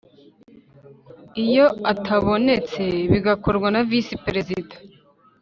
Iyo atabonetse bigakorwa na Visi Perezida